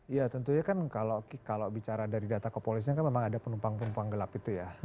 ya tentunya kan kalau bicara dari data kepolisian kan memang ada penumpang penumpang gelap itu ya